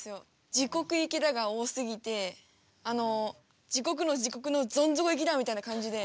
「じごく行きだ」が多すぎてあの「じごくのじごくのどん底行きだ！」みたいな感じで。